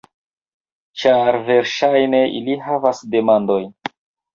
Ĉar versaĵne ili havas demandojn